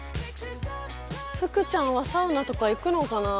ふくちゃんはサウナとか行くのかな？